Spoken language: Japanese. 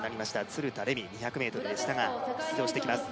鶴田玲美２００ｍでしたが出場してきます